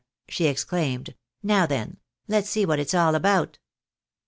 she exclaimed; "now then, let's see what it's all about."